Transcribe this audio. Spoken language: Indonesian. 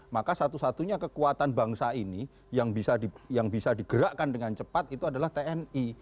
maka satu satunya kekuatan bangsa ini yang bisa digerakkan dengan cepat itu adalah tni